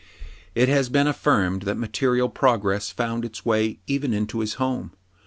It has been affirmed that material progress found its way even into his home.